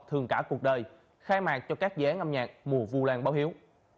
thương cả cuộc đời khai mạc cho các gián âm nhạc mùa vu lan báo hiếu